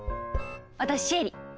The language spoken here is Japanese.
私シエリ。